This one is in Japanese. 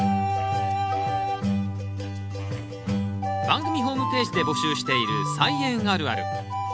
番組ホームページで募集している「菜園あるある」。